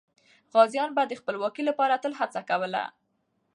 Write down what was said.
غازیان به د خپلواکۍ لپاره تل هڅه کوله.